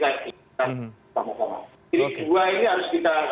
kita menggengarkan cerita raya jakarta